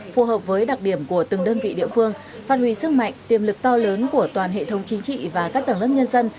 phù hợp với đặc điểm của từng đơn vị địa phương phát huy sức mạnh tiềm lực to lớn của toàn hệ thống chính trị và các tầng lớp nhân dân